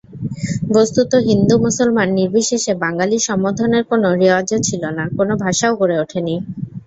বস্তুত, হিন্দু-মুসলমাননির্বিশেষে বাঙালি সম্বোধনের কোনো রেওয়াজও ছিল না, কোনো ভাষাও গড়ে ওঠেনি।